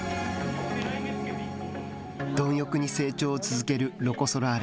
貪欲に成長を続けるロコ・ソラーレ。